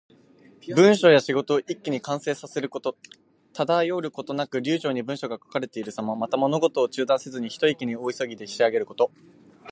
文章や仕事を一気に完成させること。滞ることなく流暢に文章が書かれているさま。また、物事を中断せずに、ひと息に大急ぎで仕上げること。